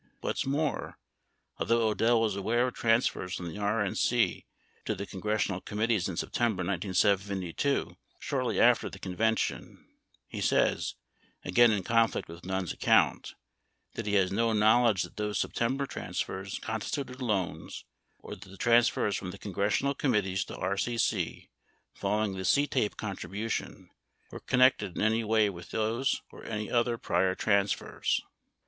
35 What's more, although Odell was aware of transfers from the RNC to the congressional committees in September 1972 shortly after the convention, he says — again in conflict with Nunn's account— that he has no knowledge that those September transfers constituted loans or that the transfers from the congressional committees to RCC follow ing the CTAPE contribution were connected in any way with those or any other prior transfers.